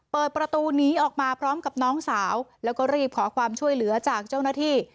เปิดประตูหนีออกมาพร้อมกับน้องสาวแล้วก็รีบขอความช่วยเหลือจากเจ้าหน้าที่